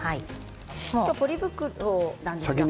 ポリ袋なんですよね。